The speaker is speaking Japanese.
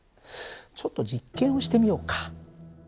ちょっと実験をしてみようか。